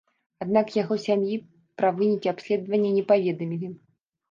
Аднак яго сям'і пра вынікі абследавання не паведамілі.